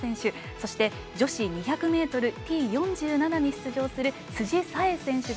そして、女子２００ｍＴ４７に出場する辻沙絵選手。